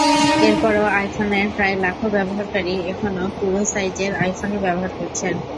এরপরও আইফোনের প্রায় লাখো ব্যবহারকারী এখনো পুরোনো সাইজের আইফোনই ব্যবহার করছেন।